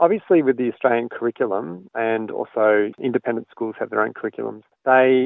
jelas dengan kurikulum australia dan sekolah independen juga memiliki kurikulum sendiri